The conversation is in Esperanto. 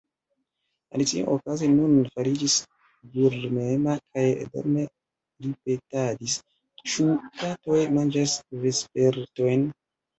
Alicio okaze nun fariĝis dormema, kaj dorme ripetadis:—"Ĉu katoj manĝas vespertojn? »